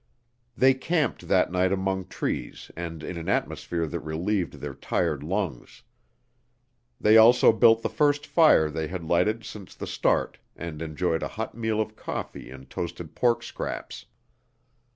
They camped that night among trees and in an atmosphere that relieved their tired lungs. They also built the first fire they had lighted since the start and enjoyed a hot meal of coffee and toasted porkscraps.